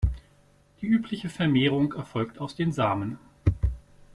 Die übliche Vermehrung erfolgt aus den Samen.